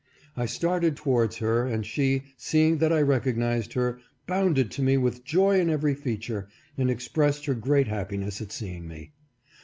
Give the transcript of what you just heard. I started towards her, and she, seeing that I recognized her, bounded to me with joy in every feature, and expressed her great happiness at seeing me.